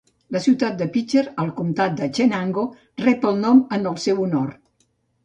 La ciutat de Pitcher, al comtat de Chenango, rep el nom en el seu honor.